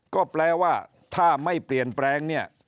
ก็แปลว่าถ้าไม่เปลี่ยนแปลงเนี่ย